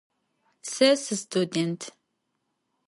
Se sıstudênt.